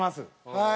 はい。